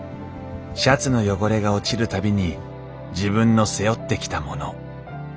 シャツの汚れが落ちる度に自分の背負ってきたもの